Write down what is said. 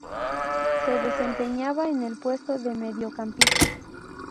Se desempeñaba en el puesto de mediocampista.